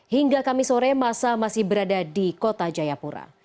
hingga kami sore masa masih berada di kota jayapura